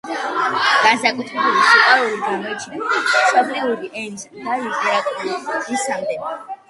განსაკუთრებული სიყვარული გამოიჩინა მშობლიური ენისა და ლიტერატურისადმი.